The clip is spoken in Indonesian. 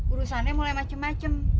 urusannya mulai macem macem